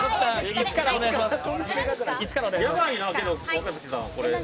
１からお願いします。